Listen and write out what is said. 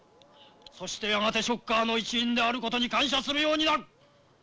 そしてやがてショッカーの一員であることに感謝するようになる！